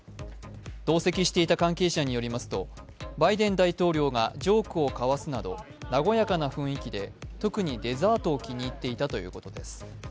同席していた関係者によりますと、バイデン大統領がジョークを交わすなど和やかな雰囲気で、特にデザートを気に入っていたということです。